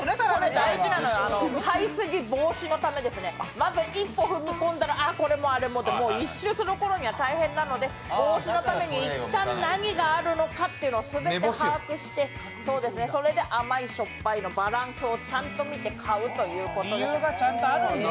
大事なのよ、買いすぎ防止のためにまず一歩踏み込んだらあれもこれもって１周するころには大変なので、防止のために一旦何があるのかをすべて把握して、それで甘いしょっぱいのバランスをちゃんと見て買うということです。